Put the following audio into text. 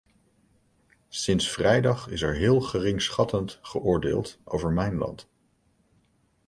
Sinds vrijdag is er heel geringschattend geoordeeld over mijn land.